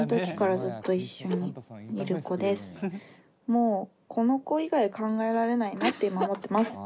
もうこの子以外考えられないなって今思ってます。